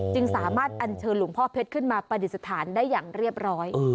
สามารถอันเชิญหลวงพ่อเพชรขึ้นมาปฏิสถานได้อย่างเรียบร้อย